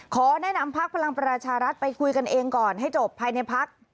ขอแนะนำพักพลังประชารัฐไปคุยกันเองก่อนให้จบภายในพัก